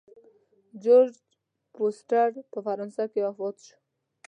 جورج فورسټر په فرانسه کې وفات شو.